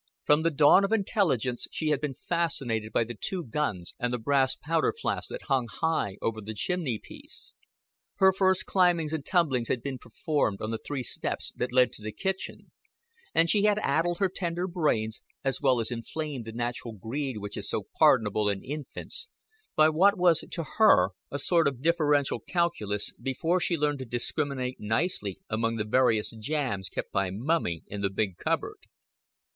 From the dawn of intelligence she had been fascinated by the two guns and the brass powder flasks that hung high over the chimney place; her first climbings and tumblings had been performed on the three steps that led to the kitchen; and she had addled her tender brains, as well as inflamed the natural greed which is so pardonable in infants, by what was to her a sort of differential calculus before she learned to discriminate nicely among the various jams kept by Mummy in the big cupboard.